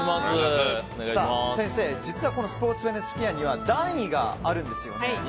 先生、実はスポーツウエルネス吹矢には段位があるんですよね。